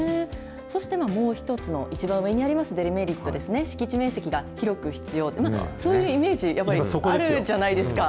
そしてもう一つの一番上にありますデメリットですね、敷地面積が広く必要と、そういうイメージ、あるじゃないですか。